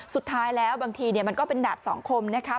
สุดท้ายแล้วบางทีมันก็เป็นดาบสองคมนะคะ